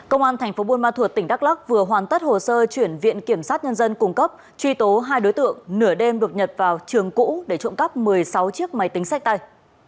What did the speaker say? công an tp bunma thuộc tỉnh đắk lắk vừa hoàn tất hồ sơ chuyển viện kiểm sát nhân dân cung cấp truy tố hai đối tượng nửa đêm được nhật vào trường cũ để trộm cắp một mươi sáu chiếc máy tính sách tay